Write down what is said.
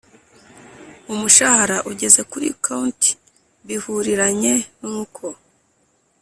umushahara ugeze kuri count bihuriranye nuko